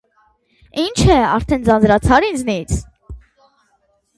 - Ի՞նչ է, արդեն ձանձրացա՞ր ինձնից: